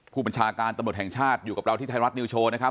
ผู้บัญชาการตำรวจแห่งชาติอยู่กับเราที่ไทยรัฐนิวโชว์นะครับ